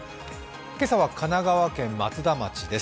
今朝は神奈川県松田町です。